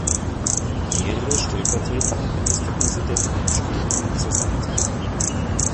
Mehrere stellvertretende Ministerpräsidenten stehen ihm zur Seite.